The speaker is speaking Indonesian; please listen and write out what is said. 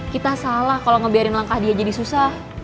kita salah kalau ngebiarin langkah dia jadi susah